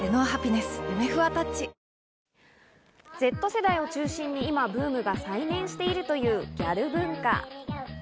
Ｚ世代を中心に今、ブームが再燃しているというギャル文化。